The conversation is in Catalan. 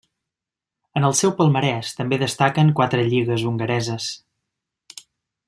En el seu palmarès també destaquen quatre lligues hongareses.